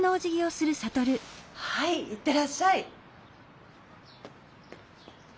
はい行ってらっしゃい。